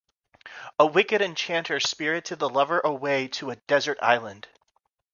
A wicked enchanter spirited the lover away to a desert island.